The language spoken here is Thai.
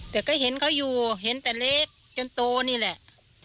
แต่ก็เห็นเขาอยู่เห็นแต่เล็กจนโตนี่แหละ